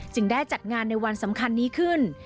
ได้จัดงานในวันสำคัญนี้ขึ้น